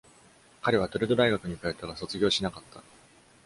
彼はトレド大学に通ったが卒業しなかった。